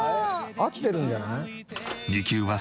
合ってるんじゃない？